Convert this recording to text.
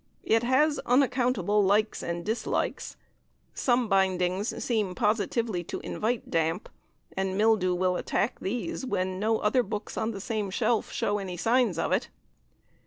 It has unaccountable likes and dislikes. Some bindings seem positively to invite damp, and mildew will attack these when no other books on the same shelf show any signs of it.